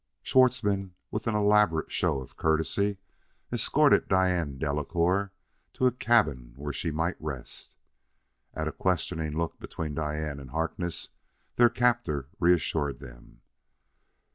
Schwartzmann, with an elaborate show of courtesy, escorted Diane Delacouer to a cabin where she might rest. At a questioning look between Diane and Harkness, their captor reassured them.